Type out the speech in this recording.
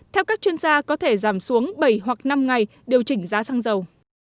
theo các chuyên gia có thể giảm xuống bảy hoặc năm ngày điều chỉnh giá xăng dầu